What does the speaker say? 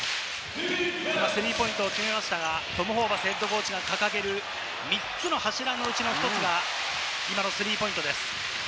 スリーポイントを決めましたが、トム・ホーバスＨＣが掲げる３つの柱のうちの１つが、今のスリーポイントです。